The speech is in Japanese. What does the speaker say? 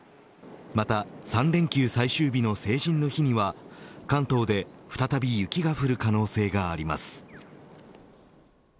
また、３連休最終日の成人の日には関東で再び雪が降る可能性があります。